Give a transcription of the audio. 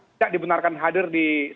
tidak dibenarkan hadir di